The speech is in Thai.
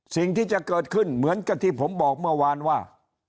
สิ่งที่จะเกิดขึ้นเหมือนกับที่ผมบอกเมื่อวานว่า